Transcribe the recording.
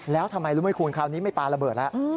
แล้วทำไมรู้ไหมคุณคราวนี้ไม่ปลาระเบิดแล้ว